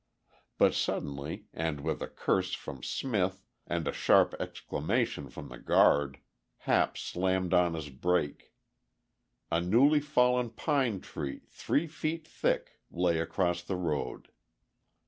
But suddenly and with a curse from Smith and a sharp exclamation from the guard, Hap slammed on his brake. A newly fallen pine tree, three feet thick, lay across the road.